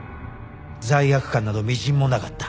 罪悪感などみじんもなかった